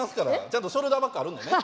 ちゃんとショルダーバッグあるんでね。